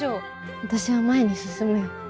私は前に進むよ。